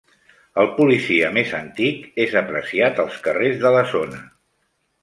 El policia més antic és apreciat als carrers de la zona.